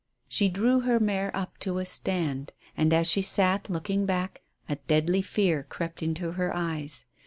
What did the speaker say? She drew her mare up to a stand, and as she sat looking back, a deadly fear crept into her eyes.